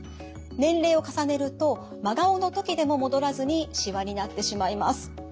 年齢を重ねると真顔の時でも戻らずにしわになってしまいます。